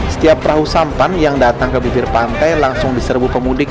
setiap perahu sampan yang datang ke bibir pantai langsung diserbu pemudik